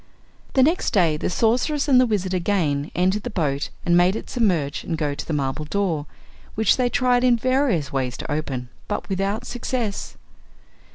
The next day the Sorceress and the Wizard again entered the boat and made it submerge and go to the marble door, which they tried in various ways to open, but without success.